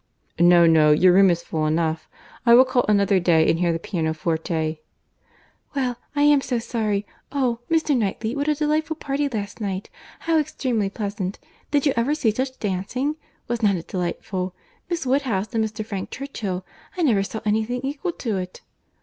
"No, no; your room is full enough. I will call another day, and hear the pianoforte." "Well, I am so sorry!—Oh! Mr. Knightley, what a delightful party last night; how extremely pleasant.—Did you ever see such dancing?—Was not it delightful?—Miss Woodhouse and Mr. Frank Churchill; I never saw any thing equal to it."